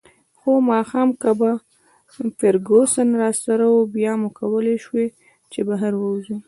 خو ماښام که به فرګوسن راسره وه، بیا مو کولای شوای چې بهر ووځو.